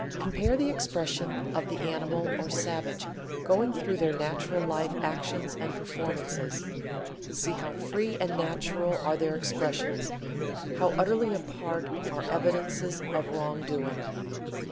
Compare the expression of the animal or savage going through their natural life actions and performances. See how free and natural are their expressions, how utterly apart are evidences of wrong doing.